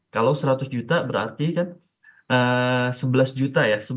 kalau seratus juta berarti kan sebelas juta ya